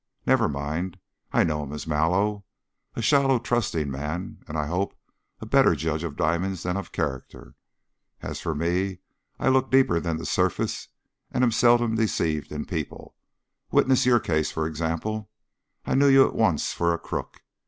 Never mind, I know him as Mallow. A shallow, trusting man, and, I hope, a better judge of diamonds than of character. As for me, I look deeper than the surface and am seldom deceived in people witness your case, for example. I knew you at once for a crook.